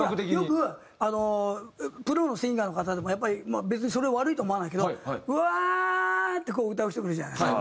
よくプロのシンガーの方でもやっぱり別にそれを悪いと思わないけど「ウワーッ」ってこう歌う人もいるじゃないですか。